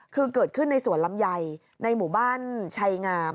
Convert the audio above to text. คือเกิดขึ้นในสวนลำไยในหมู่บ้านชัยงาม